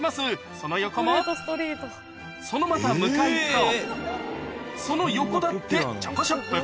その横もそのまた向かいとその横だってチョコショップ